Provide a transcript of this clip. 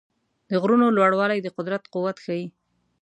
د غرونو لوړوالي د قدرت قوت ښيي.